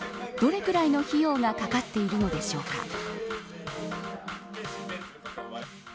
どれぐらいの費用がかかっているのでしょうか。